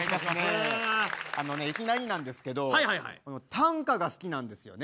あのねいきなりなんですけど短歌が好きなんですよね。